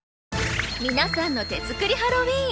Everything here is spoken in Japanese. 皆さんの手作りハロウィーン